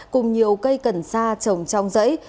cùng nhiều cây cần sa trồng trong giấy